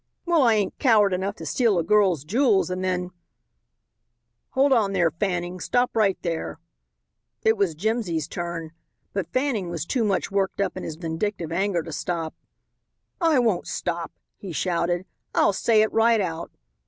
"Well, I ain't coward enough to steal a girl's jewels and then " "Hold on there, Fanning. Stop right there." It was Jimsy's turn. But Fanning was too much worked up in his vindictive anger to stop. "I won't stop," he shouted. "I'll say it right out.